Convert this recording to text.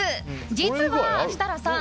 実は設楽さん